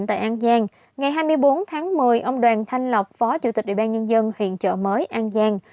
từ ngày hai mươi bốn tháng một mươi ông đoàn thanh lọc phó chủ tịch địa ban nhân dân huyện chợ mới an giang